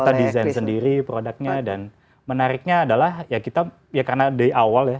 kita desain sendiri produknya dan menariknya adalah ya kita ya karena di awal ya